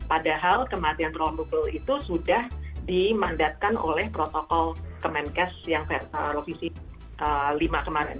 padahal kematian probable itu sudah dimandatkan oleh protokol kelantasan yang provinsi lima kemarin